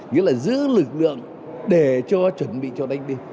nghĩa là giữ lực lượng để cho chuẩn bị cho đánh đi